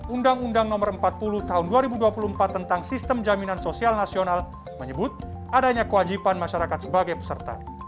undang undang no empat puluh tahun dua ribu dua puluh empat tentang sistem jaminan sosial nasional menyebut adanya kewajiban masyarakat sebagai peserta